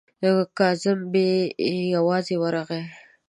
کازم بې یوازې ورغی.